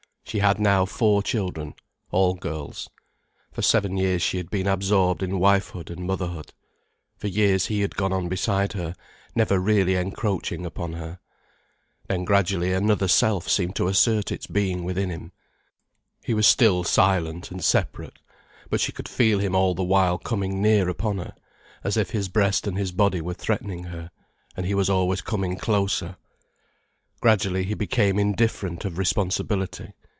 She had now four children, all girls. For seven years she had been absorbed in wifehood and motherhood. For years he had gone on beside her, never really encroaching upon her. Then gradually another self seemed to assert its being within him. He was still silent and separate. But she could feel him all the while coming near upon her, as if his breast and his body were threatening her, and he was always coming closer. Gradually he became indifferent of responsibility.